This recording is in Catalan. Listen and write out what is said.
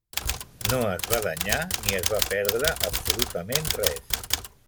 No es va danyar ni es va perdre absolutament res.